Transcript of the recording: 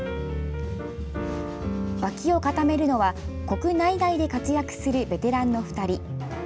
脇を固めるのは国内外で活躍するベテランの２人。